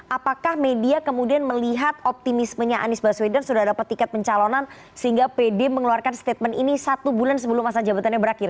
apakah media kemudian melihat optimismenya anies baswedan sudah dapat tiket pencalonan sehingga pd mengeluarkan statement ini satu bulan sebelum masa jabatannya berakhir